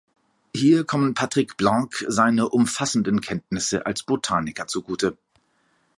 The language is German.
Hier kommen Patrick Blanc seine umfassenden Kenntnisse als Botaniker zugute.